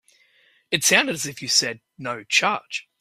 It sounded as if you said no charge.